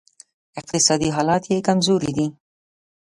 اقتصادي حالت یې کمزوری دی